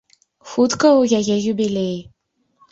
Хутка ў яе юбілей.